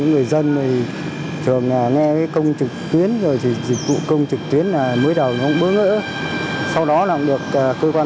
quả thực tiễn hiệu quả